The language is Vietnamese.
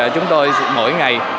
chúng tôi mỗi ngày